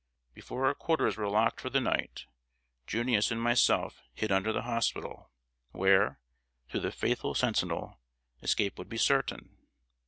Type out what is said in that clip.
Before our quarters were locked for the night, "Junius" and myself hid under the hospital, where, through the faithful sentinel, escape would be certain.